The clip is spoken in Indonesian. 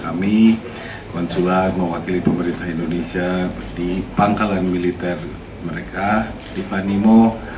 kepala badan perbatasan ri konsular mewakili pemerintah indonesia di pangkalan militer mereka di vanimo